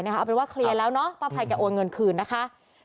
เอาเป็นว่าเคลียร์แล้วเนาะป้าภัยแกโอนเงินคืนนะคะ